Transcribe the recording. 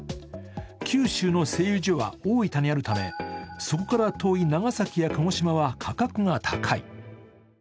九州の製油所は大分にあるためそこから遠い長崎や鹿児島は価格が高い。